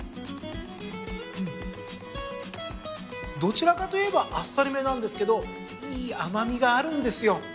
どちらかといえばあっさりめなんですけどいい甘味があるんですよ。